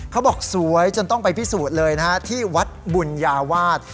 เขาบอกสวยจนต้องไปพิสูจน์เลยนะฮะที่วัดบุญญาวาส